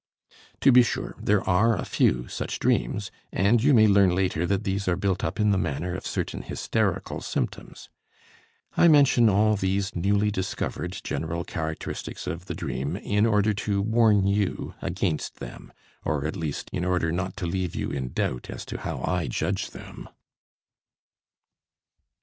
To be sure, there are a few such dreams, and you may learn later that these are built up in the manner of certain hysterical symptoms. I mention all these newly discovered general characteristics of the dream in order to warn you against them or at least in order not to leave you in doubt as to how I judge them.